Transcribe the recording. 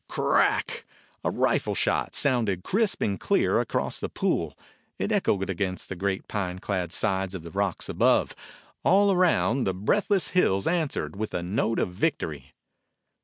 Crack! A rifle shot sounded crisp and clear across the pool. It echoed against the pine clad sides of the rocks above. All around the breathless hills answered with a note of victory.